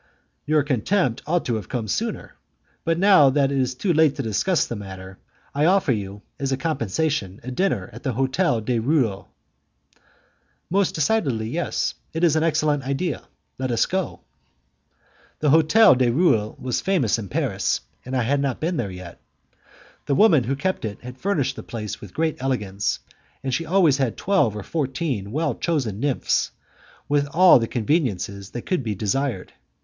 "Your contempt ought to have come sooner. But, now that is too late to discuss the matter, I offer you, as a compensation, a dinner at the Hotel du Roule." "Most decidedly yes; it is an excellent idea. Let us go." The Hotel du Roule was famous in Paris, and I had not been there yet. The woman who kept it had furnished the place with great elegance, and she always had twelve or fourteen well chosen nymphs, with all the conveniences that could be desired.